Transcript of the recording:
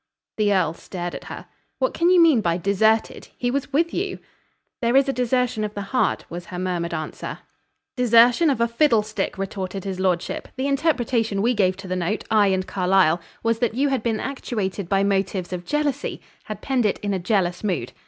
The earl stared at her. "What can you mean by 'deserted!' He was with you." "There is a desertion of the heart," was her murmured answer. "Desertion of a fiddlestick!" retorted his lordship. "The interpretation we gave to the note, I and Carlyle, was, that you had been actuated by motives of jealousy; had penned it in a jealous mood.